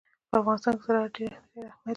په افغانستان کې زراعت ډېر زیات اهمیت لري.